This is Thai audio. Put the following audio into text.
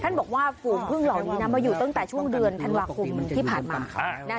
บอกว่าฝูงพึ่งเหล่านี้มาอยู่ตั้งแต่ช่วงเดือนธันวาคมที่ผ่านมา